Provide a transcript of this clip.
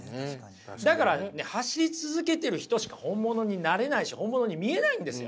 だから走り続けてる人しか本物になれないし本物に見えないんですよ。